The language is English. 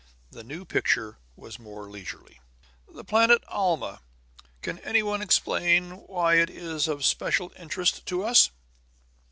The new picture was more leisurely. "The planet Alma. Can any one explain why it is of special interest to us?"